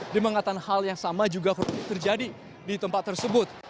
di mengatakan hal yang sama juga terjadi di tempat tersebut